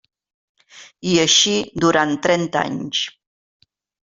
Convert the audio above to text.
I així durant trenta anys.